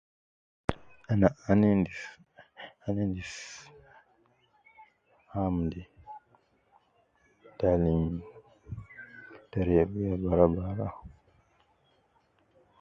Ana, ana endis ,ana endis ham de, te alim terebiya bara bara